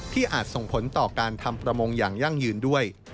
อาจส่งผลต่อการทำประมงอย่างยั่งยืนด้วย